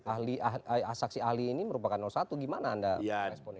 ahli saksi ahli ini merupakan satu gimana anda meresponnya